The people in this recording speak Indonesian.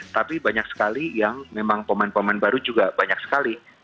tapi banyak sekali yang memang pemain pemain baru juga banyak sekali